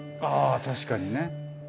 ああ確かにね。